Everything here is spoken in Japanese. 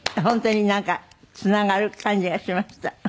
本当になんかつながる感じがしました。